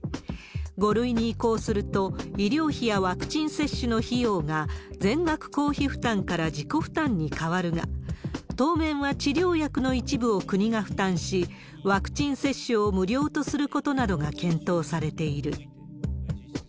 ５類に移行すると、医療費やワクチン接種の費用が全額公費負担から自己負担に変わるが、当面は治療薬の一部を国が負担し、ワクチン接種を無料とすることなどが検討されている。